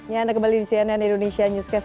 ya anda kembali di cnn indonesia newscast